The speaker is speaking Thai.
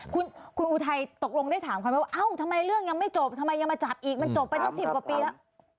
คุณอุทัยตกลงได้ถามเขาไหมว่าเอ้าทำไมเรื่องยังไม่จบทำไมยังมาจับอีกมันจบไปตั้ง๑๐กว่าปีแล้ว